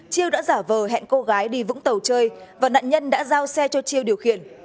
chiêu đã giả vờ hẹn cô gái đi vũng tàu chơi và nạn nhân đã giao xe cho chiêu điều khiển